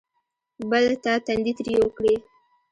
بل ته تندی تریو کړي.